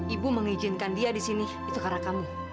ibu mengizinkan dia disini itu karena kamu